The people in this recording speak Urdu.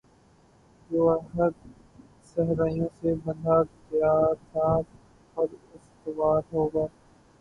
جو عہد صحرائیوں سے باندھا گیا تھا پر استوار ہوگا